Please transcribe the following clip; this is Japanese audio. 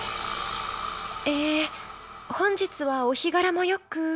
「えー本日はお日柄もよくー」。